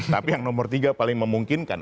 tapi yang nomor tiga paling memungkinkan